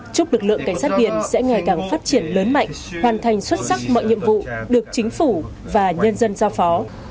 chúc lực lượng cảnh sát biển sẽ ngày càng phát triển lớn mạnh hoàn thành xuất sắc mọi nhiệm vụ được chính phủ và nhân dân giao phó